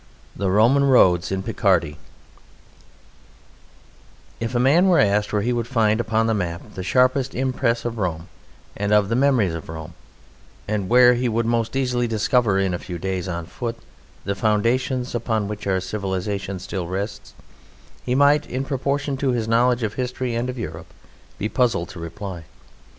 The Roman Roads in Picardy If a man were asked where he would find upon the map the sharpest impress of Rome and of the memories of Rome, and where he would most easily discover in a few days on foot the foundations upon which our civilization still rests, he might, in proportion to his knowledge of history and of Europe, be puzzled to reply.